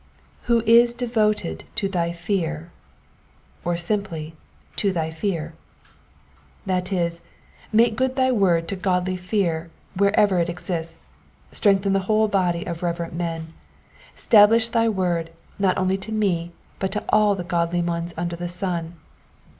^^Who is devoted to thy fear, ^^ or simply— " to thy feary That is, make good thy word to godly fear wherever it exists ; strengthen the whole body of reverent men. Btablish thy word, not only to me, but to all the godly ones under the sun.